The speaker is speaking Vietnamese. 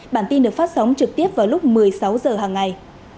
bản tin được phát sóng trực tiếp vào lúc một mươi sáu h hàng ngày